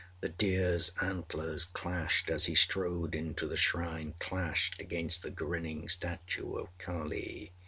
â The deerâs antlers clashed as he strode into the shrine, clashed against the grinning statue of Kali.